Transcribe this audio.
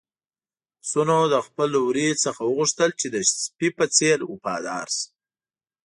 پسونو د خپل وري نه وغوښتل چې د سپي په څېر وفادار شي.